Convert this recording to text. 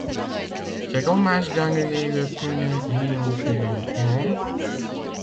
C'est dommage d'annuler le tunnel Lyon Turin, non ?